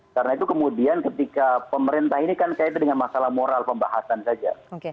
karena itu kemudian ketika pemerintah ini kan kait dengan masalah moral pembahasan saja